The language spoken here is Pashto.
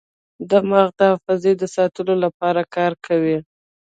دماغ د حافظې د ساتلو لپاره کار کوي.